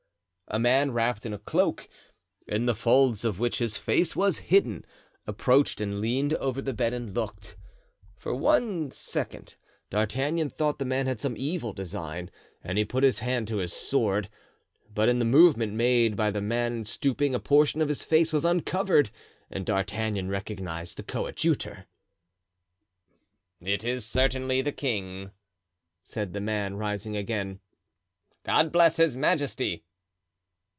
A man wrapped in a cloak, in the folds of which his face was hidden, approached and leaned over the bed and looked. For one second, D'Artagnan thought the man had some evil design and he put his hand to his sword; but in the movement made by the man in stooping a portion of his face was uncovered and D'Artagnan recognized the coadjutor. "It is certainly the king," said the man, rising again. "God bless his majesty!"